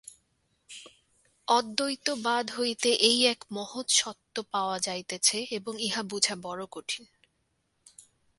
অদ্বৈতবাদ হইতে এই এক মহৎ সত্য পাওয়া যাইতেছে, এবং ইহা বুঝা বড় কঠিন।